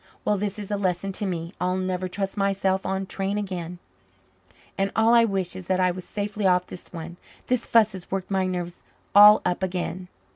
Well, this is a lesson to me! I'll never trust myself on a train again, and all I wish is that I was safely off this one. This fuss has worked my nerves all up again."